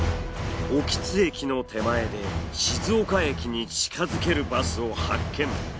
興津駅の手前で静岡駅に近づけるバスを発見。